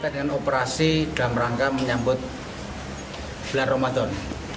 dengan operasi dalam rangka menyambut bulan ramadan